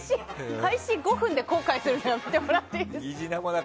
開始５分で後悔するのやめてもらっていいですか。